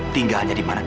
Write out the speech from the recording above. tinggalnya di mana